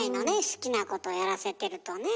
好きなことやらせてるとね。